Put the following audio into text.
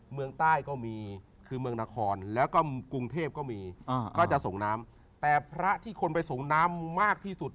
เมืองใต้ก็มีคือเมืองนครแล้วก็กรุงเทพก็มีก็จะส่งน้ำแต่พระที่คนไปส่งน้ำมากที่สุด